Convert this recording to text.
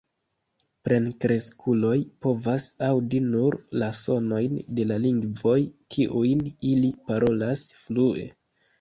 Plenkreskuloj povas aŭdi nur la sonojn de la lingvoj, kiujn ili parolas flue.